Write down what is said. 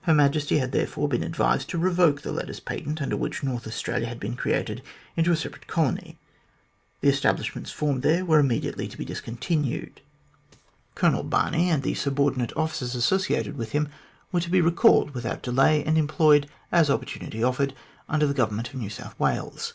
Her Majesty had therefore been advised to revoke the letters patent, under which North Australia had been erected into a separate colony. The establishments formed there were immediately to be discontinued. Colonel Barney and THE VETO OF EAKL GREY 53 the subordinate officers associated with him were to be recalled without delay, and employed, as opportunity offered, under the Government of New South Wales.